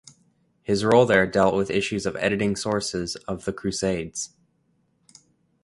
His role there dealt with issues of editing sources of the Crusades.